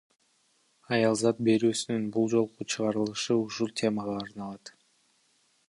Аялзат берүүсүнүн бул жолку чыгарылышы ушул темага арналат.